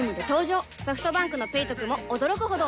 ソフトバンクの「ペイトク」も驚くほどおトク